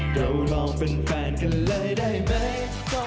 เราลองเป็นแฟนกันเลยได้ไหม